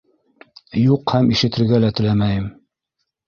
Юҡ һәм ишетергә лә теләмәйем!